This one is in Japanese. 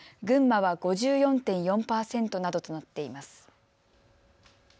群馬は５４．４％などとなっています。